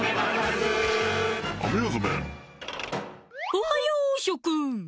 おはよう諸君！